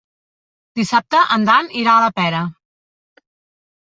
Dissabte en Dan irà a la Pera.